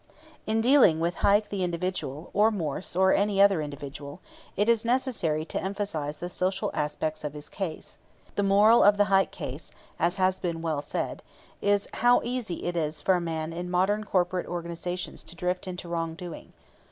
In dealing with Heike the individual (or Morse or any other individual), it is necessary to emphasize the social aspects of his case. The moral of the Heike case, as has been well said, is "how easy it is for a man in modern corporate organization to drift into wrongdoing."